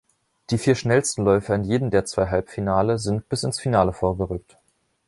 Die vier schnellsten Läufer in jedem der zwei Halbfinale sind bis ins Finale vorgerückt.